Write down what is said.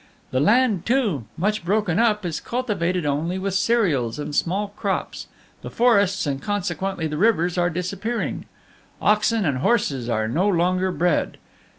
The land, too much broken up, is cultivated only with cereals and small crops; the forests, and consequently the rivers, are disappearing; oxen and horses are no longer bred.